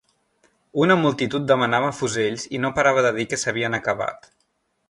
Una multitud demanava fusells i no parava de dir que s'havien acabat